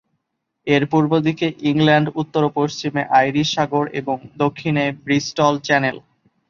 এর পূর্ব দিকে ইংল্যান্ড; উত্তর ও পশ্চিমে আইরিশ সাগর এবং দক্ষিণে ব্রিস্টল চ্যানেল।